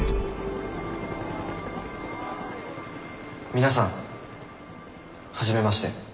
皆さん初めまして。